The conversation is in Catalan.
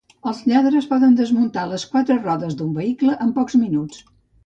Els lladres poden desmuntar les quatre rodes d'un vehicle en pocs minuts